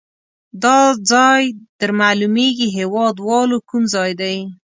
دا ځای در معلومیږي هیواد والو کوم ځای ده؟